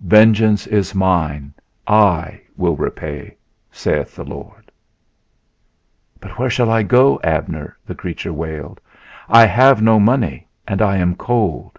Vengeance is mine, I will repay, saith the Lord." "But where shall I go, Abner?" the creature wailed; "I have no money and I am cold."